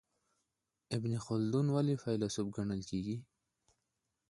ابن خلدون ولي فیلسوف ګڼل کیږي؟